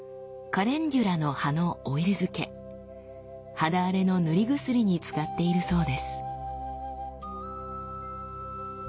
肌荒れの塗り薬に使っているそうです。